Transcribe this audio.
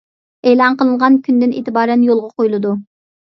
ئېلان قىلىنغان كۈندىن ئېتىبارەن يولغا قويۇلىدۇ.